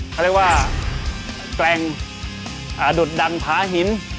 เขาเรียกว่าแกร่งดุดดันผาหิน